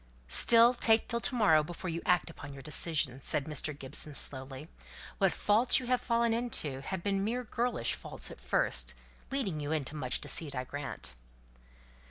"Still, take till to morrow before you act upon your decision," said Mr. Gibson, slowly. "What faults you have fallen into have been mere girlish faults at first, leading you into much deceit, I grant."